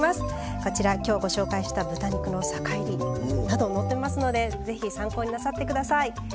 こちら今日ご紹介した豚肉の酒いりなど載ってますので是非参考になさって下さい。